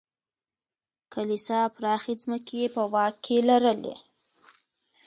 کلیسا پراخې ځمکې یې په واک کې لرلې.